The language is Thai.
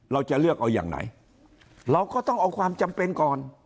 เราจะเลือกเอาอย่างไหนเราก็ต้องเอาความจำเป็นก่อน